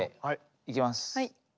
いきます。